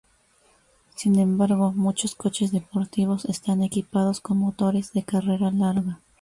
Sin embargo, muchos coches deportivos están equipados con motores de carrera larga.